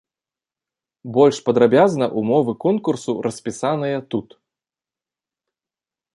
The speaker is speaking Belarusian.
Больш падрабязна ўмовы конкурсу распісаныя тут.